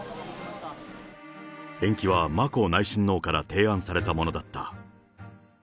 延期は眞子内親王から提案されたものだった。